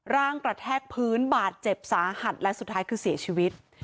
ร่างกระแทกพื้นบาดเจ็บสาหัสและสุดท้ายคือเสียชีวิต